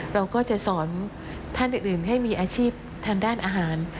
เราก็จะสอนท่านอื่นให้มีอาชีพทางด้านอาหาร